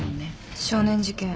少年事件